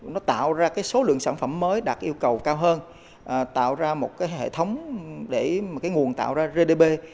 nó tạo ra cái số lượng sản phẩm mới đạt yêu cầu cao hơn tạo ra một cái hệ thống để cái nguồn tạo ra gdp